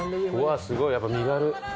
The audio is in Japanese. すごいやっぱ身軽。